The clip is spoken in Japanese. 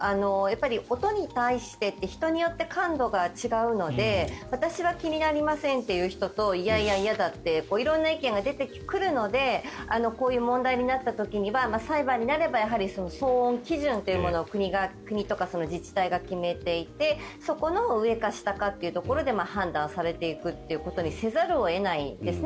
音に対してって人によって感度が違うので私は気になりませんという人といやいや、嫌だという人と色々な意見が出てくるのでこういう問題になった時には裁判になれば騒音基準というものを国とか自治体が決めていてそこの上か下かというところで判断されていくということにせざるを得ないんですね。